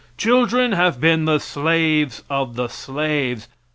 Children have been the slaves of the slaves.